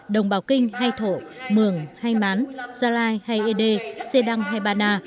đồng bào kinh hay thổ mường hay mán gia lai hay ế đê xê đăng hay ba na